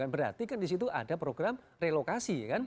berarti kan disitu ada program relokasi